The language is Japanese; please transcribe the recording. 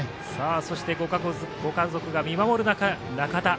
そしてご家族が見守る中、仲田。